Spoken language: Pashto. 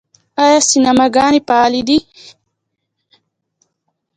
آیا سینماګانې فعالې دي؟